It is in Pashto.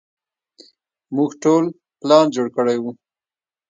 موږ ټول پلان جوړ کړى و.